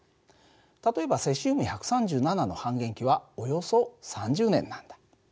例えばセシウム１３７の半減期はおよそ３０年なんだ。